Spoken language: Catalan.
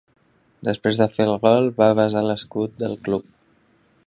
Després de fer el gol, va besar l'escut del club.